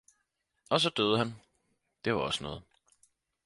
Og så døde han, det var også noget